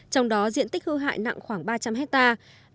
trong đó diện tích hư hại nặng khoảng ba trăm linh hectare